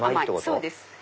そうです。